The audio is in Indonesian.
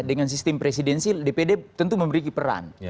dengan sistem presidensi dpr tentu memberi peran